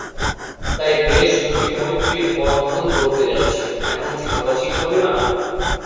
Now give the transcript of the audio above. তাই দেশ দুটি মৈত্রীর বন্ধন গড়তে যাচ্ছে, এমনটি ভাবা ঠিক হবে না।